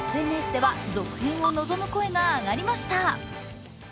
ＳＮＳでは続編を望む声が上がりました。